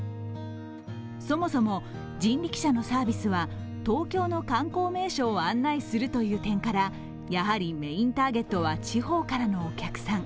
そもそも人力車のサービスは東京の観光名所を案内するという点から、やはりメインターゲットは地方からのお客さん。